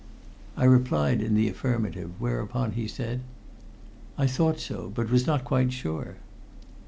I replied in the affirmative, whereupon he said: "I thought so, but was not quite sure."